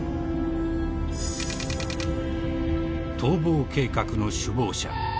［逃亡計画の首謀者